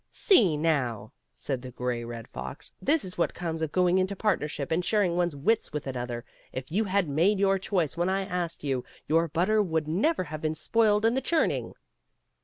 " See, now," said the Great Red Fox, " this is what comes of going into partnership, and sharing one's wits with another. If you had made your choice when I asked you, your butter would never have been spoiled in the churning."